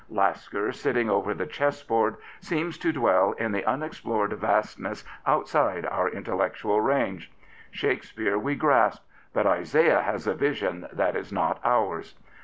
'* Lasker, sitting over the chessboard, seems to dwell in the unexplored vast ness outside our intellectual range. Shakespeare we grasp ; but Isaiah has a vision that is not ours.